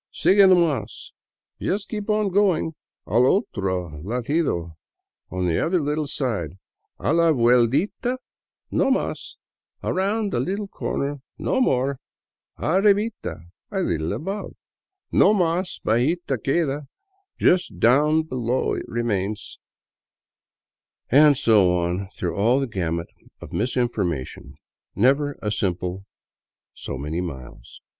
Sigue no mas — Just keep on going ; Al otro ladito — On the other little side; A la vueltita no mas — Around the little corner no more; Arribita — A Httle above; No mas bajita queda — Just down below it remains "— and so on through all the gamut of misinforma tion ; never a simple " So many miles."